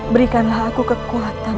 berikanlah aku kekuatan